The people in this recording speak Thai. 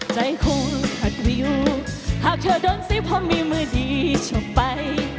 ใจคงหัดวิวหากเธอโดนสิพอมีมือดีชบไป